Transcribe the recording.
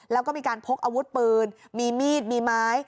แล้วก็มีการพกอาวุธปืนมีมีดมีไม้